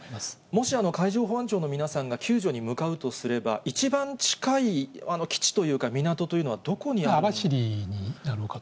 もし海上保安庁の皆さんが救助に向かうとすれば、一番近い基地というか、港というのはどこにあるんでしょうか。